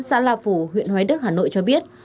xã la phù huyện hòa đức hà nội cho biết